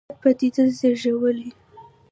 قدرت پدیده زېږولې.